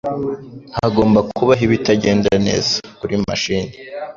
Hagomba kubaho ibitagenda neza kuri mashini